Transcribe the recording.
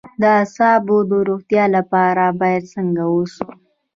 د اعصابو د روغتیا لپاره باید څنګه اوسم؟